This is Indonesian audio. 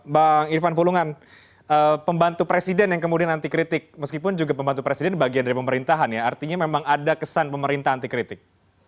bang irfan pulungan pembantu presiden yang kemudian anti kritik meskipun juga pembantu presiden bagian dari pemerintahan ya artinya memang ada kesan pemerintah anti kritik